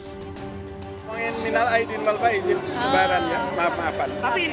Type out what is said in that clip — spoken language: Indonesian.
kepala ketua umum partai golkar erlangga hartarto